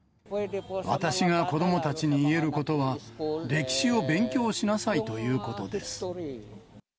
私が子どもたちに言えることは、歴史を勉強しなさいということです。